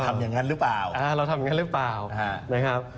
ทำยังงั้นหรือเปล่าอ่าเราทำยังงั้นหรือเปล่าอ่านะครับ